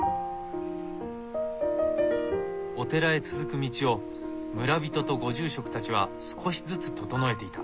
お寺へ続く道を村人とご住職たちは少しずつ整えていた。